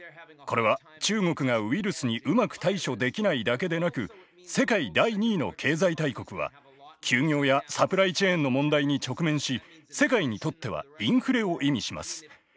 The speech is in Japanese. これは中国がウイルスにうまく対処できないだけでなく世界第２位の経済大国は休業やサプライチェーンの問題に直面し世界にとってはインフレを意味します。